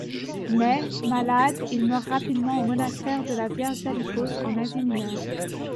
Mais, malade, il meurt rapidement au monastère de la vierge d'Alypos en Asie Mineure.